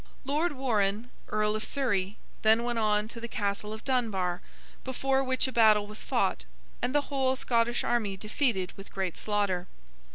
Lord Warrenne, Earl of Surrey, then went on to the Castle of Dunbar, before which a battle was fought, and the whole Scottish army defeated with great slaughter.